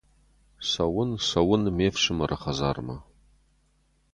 Цӕуын, цӕуын, ме ’фсымӕры хӕдзармӕ.